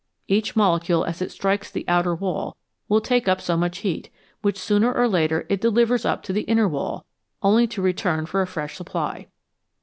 Each molecule as it strikes the outer wall will take up so much heat, which sooner or later it de livers up to the inner wall, only to return for a fresh supply.